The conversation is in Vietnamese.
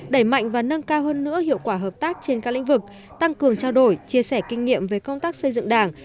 đẩy mạnh và nâng cao hơn nữa hiệu quả hợp tác trên các lĩnh vực tăng cường trao đổi chia sẻ kinh nghiệm về công tác xây dựng đảng